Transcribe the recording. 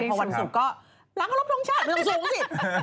พอวันสุดก็หลังรบทรงชาติ